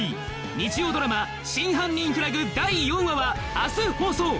日曜ドラマ『真犯人フラグ』第４話は明日放送！